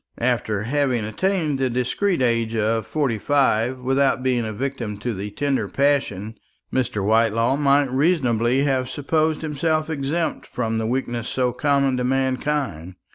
After having attained the discreet age of forty five without being a victim to the tender passion, Mr. Whitelaw might reasonably have supposed himself exempt from the weakness so common to mankind.